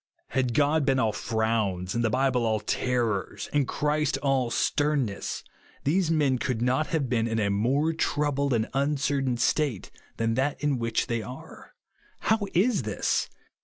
Had God been all frowns, and the Bible all terrors, and Christ all sternness, these men could not have been in a more troubled and uncertain state than that in which they are. How is this